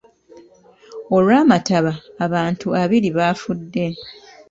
Olw'amataba, abantu abiri baafudde.